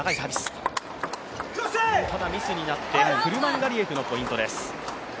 ミスになってクルマンガリエフのポイント。